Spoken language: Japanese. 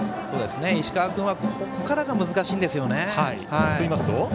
石川君はここからが難しいんですよね。